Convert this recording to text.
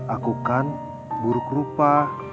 aku kan buruk rupa